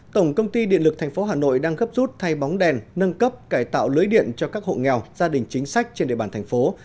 tổng công ty điện lực tp hà nội đang gấp rút thay bóng đèn nâng cấp cải tạo lưới điện cho các hộ nghèo gia đình chính sách trên địa bàn thành phố